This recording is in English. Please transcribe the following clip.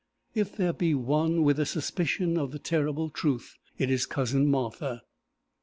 If there be one with a suspicion of the terrible truth, it is cousin Martha.